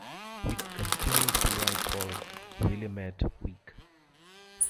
He continues to write for "Willamette Week".